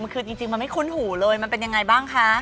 คือจริงมันไม่คุ้นหูเลยมันเป็นยังไงบ้างคะ